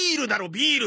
ビール。